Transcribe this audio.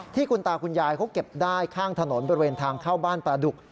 ที่คุณตาคุณยายเขาเก็บได้ข้างถนนบริเวณทางเข้าบ้านปลาดุก